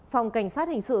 phòng cảnh sát hình sự